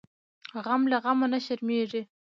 غم له غمه نه شرمیږي .